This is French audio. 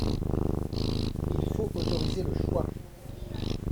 Il faut autoriser le choix.